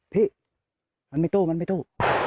พี่มันมีตู้